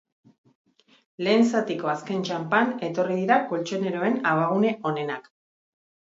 Lehen zatiko azken txanpan etorri dira koltxoneroen abagune onenak.